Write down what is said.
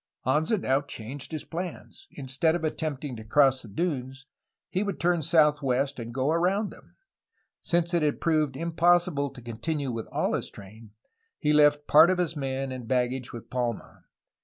Anza now changed his plans. Instead of attempting to cross the dunes, he would turn southwest and go around them. Since it had proved impossible to continue with all his train, he left part of his men and baggage with Palma.